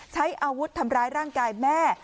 ใช้อาวุธทำร้ายร่างกายแม่